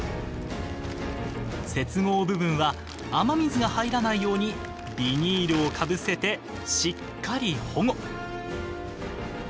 接合部分は雨水が入らないようにビニールをかぶせてしっかり保護。